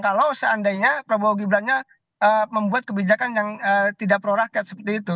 kalau seandainya prabowo gibran nya membuat kebijakan yang tidak prorakyat seperti itu